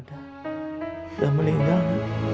dan memang benar